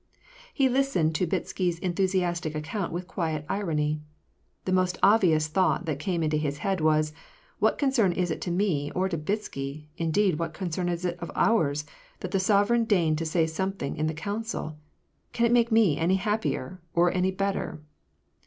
He listened to Bitsky 's enthusiastic account with quiet irony. The most obvious thought that came into his head was, " What concern is it to me or to Bitsky, — indeed, what concern is it of ours, — that the sovereign deigned to say something in the council ? Can it make me any happier, or any better